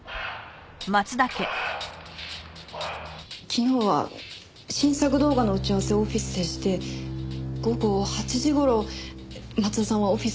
昨日は新作動画の打ち合わせをオフィスでして午後８時頃松田さんはオフィスを出られました。